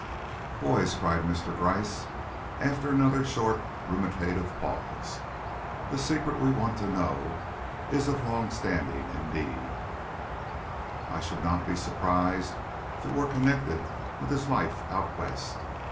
"Boys," cried Mr. Gryce, after another short ruminative pause, "the secret we want to know is of long standing; indeed, I should not be surprised if it were connected with his life out West.